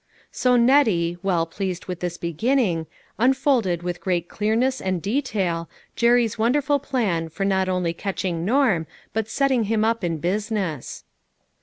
So Nettie, well pleased with this begin ning, unfolded with great clearness and detail, Jerry's wonderful plan for not only catching Norm, but setting him up in business.